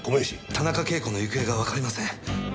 田中啓子の行方がわかりません。